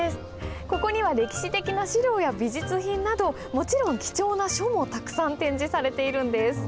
ここには歴史的な資料や美術品などもちろん貴重な書もたくさん展示されているんです。